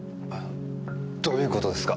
どういう事ですか？